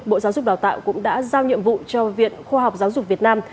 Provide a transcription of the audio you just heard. bộ giáo dục đào tạo cũng đã giao nhiệm vụ cho viện khoa học giáo dục việt nam